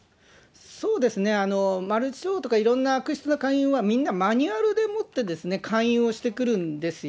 そうですね、マルチ商法とかいろんな悪質な勧誘は、みんなマニュアルでもって勧誘してくるんですよ。